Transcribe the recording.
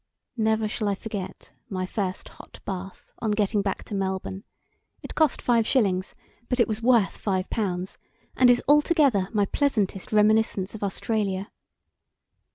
Never shall I forget my first hot bath on getting back to Melbourne; it cost five shillings, but it was worth five pounds, and is altogether my pleasantest reminiscence of Australia.